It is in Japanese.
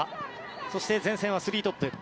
そして、前線は３トップ。